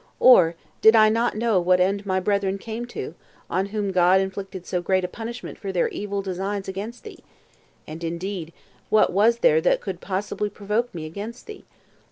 or did not I know what end my brethren came to, on whom God inflicted so great a punishment for their evil designs against thee? And indeed what was there that could possibly provoke me against thee?